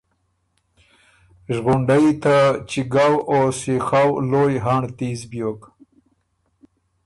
ݫغُنډئ ته چِګؤ او سیخؤ لویٛ هنړ تیز بیوک۔